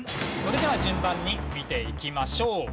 それでは順番に見ていきましょう。